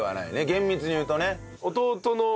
厳密に言うとね。